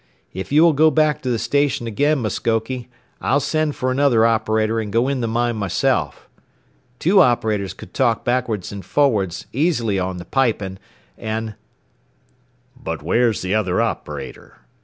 "If you will go back to the station again, Muskoke, I'll send for another operator, and go in the mine myself. Two operators could talk backwards and forwards easily on the piping. And " "But whar's the other operator?"